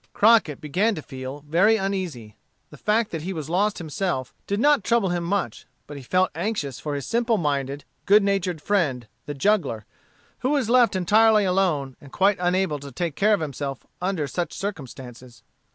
Crockett began to feel very uneasy. The fact that he was lost himself did not trouble him much, but he felt anxious for his simple minded, good natured friend, the juggler, who was left entirely alone and quite unable to take care of himself under such circumstances.